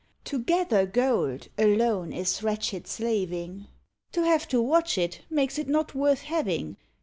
To gather gold alone is wretched slaving; To have to watch it makes it not worth having.